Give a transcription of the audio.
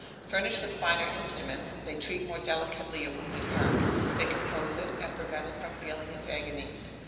Furnished with finer instruments, they treat more delicately a wounded heart. They compose it, and prevent it from feeling its agonies.